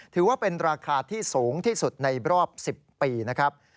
ถือว่าเป็นราคาที่สูงที่สุดในรอบ๑๐ปีนะครับ